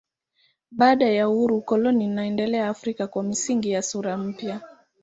Baada ya uhuru ukoloni unaendelea Afrika kwa misingi na sura mpya.